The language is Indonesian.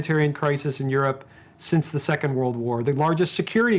membuat krisis kemanusiaan terbesar di eropa sejak ii wd